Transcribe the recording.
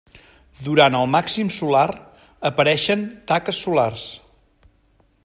Durant el màxim solar apareixen taques solars.